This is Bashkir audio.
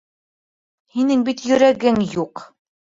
Һинең бит йөрәгең юҡ!